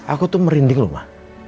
aku tuh merinding ma